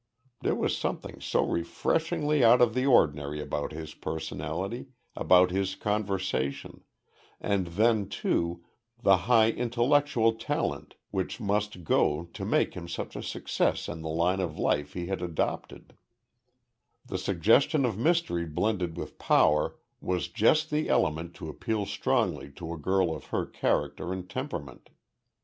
There was something so refreshingly out of the ordinary about his personality about his conversation and then, too, the high intellectual talent which must go to make him such a success in the line of life he had adopted; the suggestion of mystery blended with power was just the element to appeal strongly to a girl of her character and temperament.